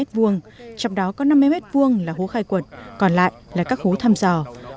trong đó có năm mươi m hai là hố khai quật còn lại là các hố thăm dò